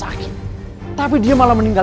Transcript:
aku tak bisa catatin dia